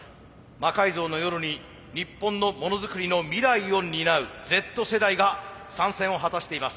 「魔改造の夜」に日本のものづくりの未来を担うＺ世代が参戦を果たしています。